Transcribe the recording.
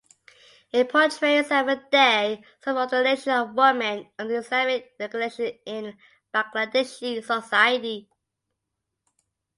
It portrayals everyday subordination of women under the Islamic regulation in Bangladeshi society.